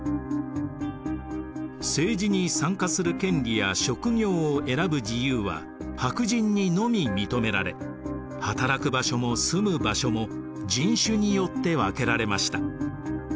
政治に参加する権利や職業を選ぶ自由は白人にのみ認められ働く場所も住む場所も人種によって分けられました。